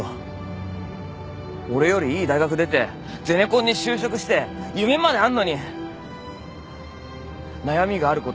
俺よりいい大学出てゼネコンに就職して夢まであんのに悩みがあること。